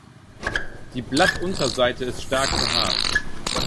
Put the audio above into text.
Die Blattunterseite ist stark behaart.